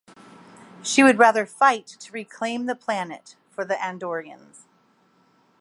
She would rather fight to reclaim the planet for the Andorians.